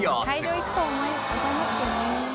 「会場行くと残りますよね」